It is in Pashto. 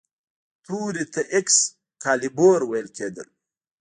تورې ته ایکس کالیبور ویل کیدل.